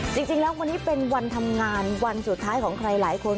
จริงแล้ววันนี้เป็นวันทำงานวันสุดท้ายของใครหลายคน